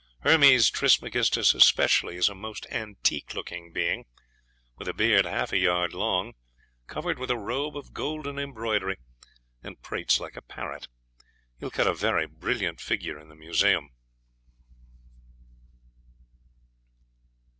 Hermes Trismegistus especially is a most antique looking being, with a beard half a yard long, covered with a robe of golden embroidery, and prates like a parrot. He will cut a very brilliant figure in the Museum.